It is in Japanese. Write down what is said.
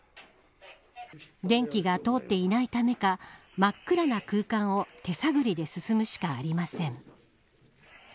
電気が通っていないためか真っ暗な空間を手探りで進むしかありません。